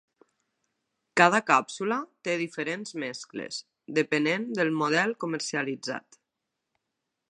Cada càpsula té diferents mescles depenent del model comercialitzat.